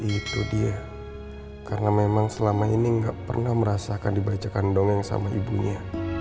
itu dia karena memang selama ini nggak pernah merasakan dibacakan dongeng sama ibunya